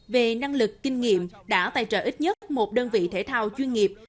về năng lực kinh nghiệm đã tài trợ ít nhất một đơn vị thể thao chuyên nghiệp